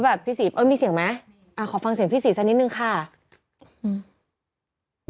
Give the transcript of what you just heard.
ขอฟังเสียงพี่สีสักนิดหนึ่งค่า